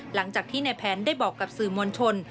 หลังจากที่ในแผนได้บอกกับสื่อมวลชน